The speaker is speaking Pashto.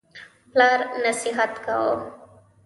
پلار نصیحت کاوه.